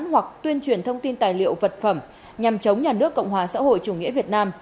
hoặc tuyên truyền thông tin tài liệu vật phẩm nhằm chống nhà nước cộng hòa xã hội chủ nghĩa việt nam